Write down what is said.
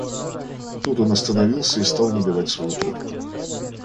Тут он остановился и стал набивать свою трубку.